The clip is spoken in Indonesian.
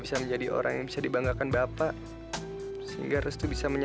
sampai jumpa di video selanjutnya